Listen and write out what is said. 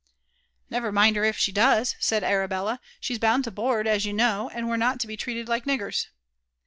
Never mind her if she docs," said Arabella: *' she's bound to board, as you know, and we're not to be treated like niggers."